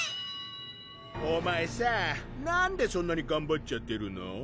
お前さなんでそんなにがんばっちゃってるの？